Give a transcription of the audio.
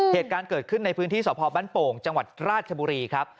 เหตุการณ์เกิดขึ้นในพื้นที่สพบ้านโป่งจังหวัดราชบุรีครับ